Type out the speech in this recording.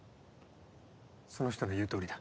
その人の言う通りだ。